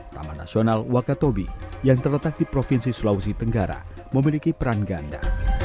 taman nasional wakatobi yang terletak di provinsi sulawesi tenggara memiliki peran ganda